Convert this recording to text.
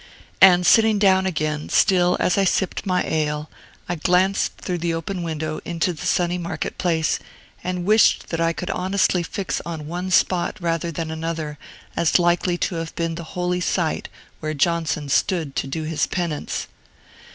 And, sitting down again, still as I sipped my ale, I glanced through the open window into the sunny market place, and wished that I could honestly fix on one spot rather than another, as likely to have been the holy site where Johnson stood to do his penance.